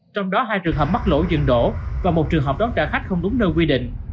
trong đó hai trường hợp mắc lỗ dừng đổ và một trường hợp đón trả khách không đúng nơi quy định